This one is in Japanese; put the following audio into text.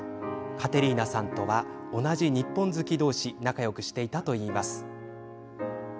カテリーナさんとは同じ日本好き同士仲よくしていたといいます。